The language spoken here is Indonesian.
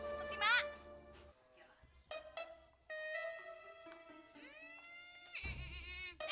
eh pusing mak